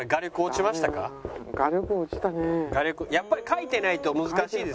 やっぱり描いてないと難しいですか？